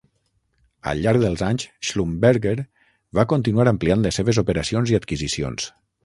Al llarg dels anys, Schlumberger va continuar ampliant les seves operacions i adquisicions.